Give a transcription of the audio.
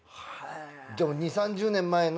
でも２０３０年前の。